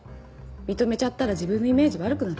認めちゃったら自分のイメージ悪くなるじゃない。